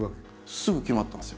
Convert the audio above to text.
すぐ決まったんですよ。